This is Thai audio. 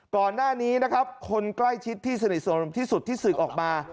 ก่อนหน้านี้นะครับคนใกล้ชิดที่สนิทสุดที่สืบออกมา